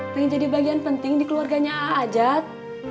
pengen jadi bagian penting di keluarganya ajat